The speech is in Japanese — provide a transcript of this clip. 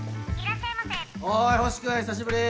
おい星君久しぶり。